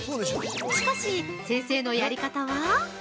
しかし、先生のやり方は？